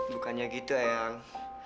bukannya gitu eyang